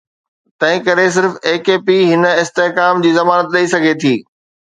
تنهنڪري صرف AKP هن استحڪام جي ضمانت ڏئي سگهي ٿي.